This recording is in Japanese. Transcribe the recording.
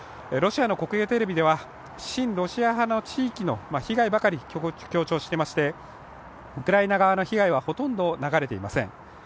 ロシアの国営テレビでは、親ロシア派の地域の被害ばかり強調していましてウクライナ側の被害はほとんど流れていません。